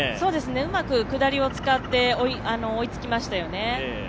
うまく下りを使って追いつきましたよね。